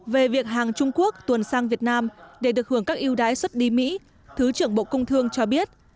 về việc hàng trung quốc tuần sang việt nam để được hưởng các yêu đái xuất đi mỹ thứ trưởng bộ công thương cho biết